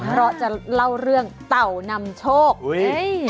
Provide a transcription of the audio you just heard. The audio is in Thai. เพราะจะเล่าเรื่องเต่านำโชคอุ้ย